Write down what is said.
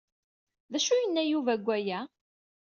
D acu ay yenna Yuba deg waya?